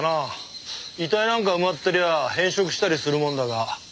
遺体なんか埋まってりゃ変色したりするもんだが。